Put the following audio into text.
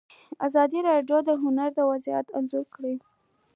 ازادي راډیو د هنر وضعیت انځور کړی.